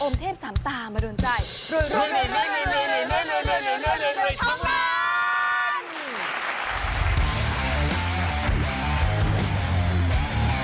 อมเทปสามตามรุนใจ